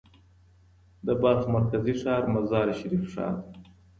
د بلخ مرکزي ښار مزار شریف دی.